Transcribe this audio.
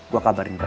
gue kabarin dulu